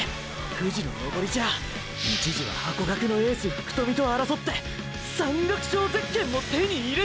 富士の登りじゃ一時はハコガクのエース福富と争って山岳賞ゼッケンも手に入れてるんだ！！